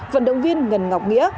vận động viên ngân ngọc nghĩa